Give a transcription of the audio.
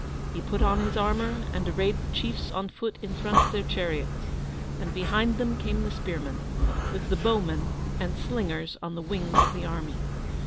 He put on his armour, and arrayed the chiefs on foot in front of their chariots, and behind them came the spearmen, with the bowmen and slingers on the wings of the army.